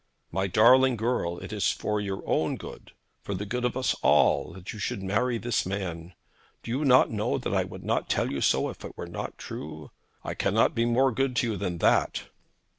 'My darling girl, it is for your own good, for the good of us all, that you should marry this man. Do you not know that I would not tell you so, if it were not true? I cannot be more good to you than that.'